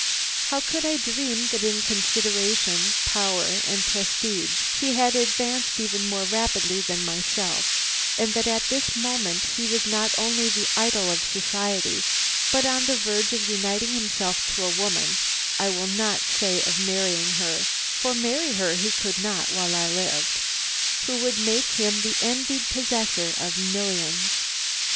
How could I dream that in consideration, power, and prestige he had advanced even more rapidly than myself, and that at this very moment he was not only the idol of society, but on the verge of uniting himself to a woman I will not say of marrying her, for marry her he could not while I lived who would make him the envied possessor of millions.